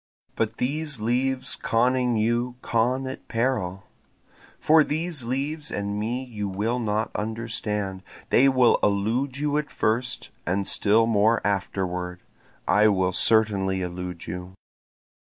But these leaves conning you con at peril, For these leaves and me you will not understand, They will elude you at first and still more afterward, I will certainly elude you.